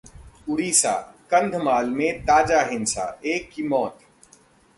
उड़ीसा: कंधमाल में ताजा हिंसा, एक की मौत